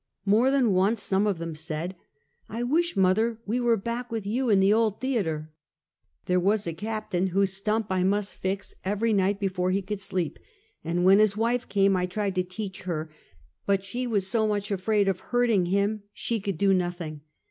More than once some of them said: "I "Wounded Officees. 323 wish, mother, we were back with you in the Old Thea ter?" There was a captain whose stump I must fix eyery night before he could sleep, and when his wife came I tried to teach her, but she was so much afraid of hurting him she could do nothing.